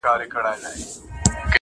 کومه ورځ چي تاته زه ښېرا کوم.